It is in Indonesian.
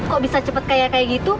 kok bisa cepet kayak gitu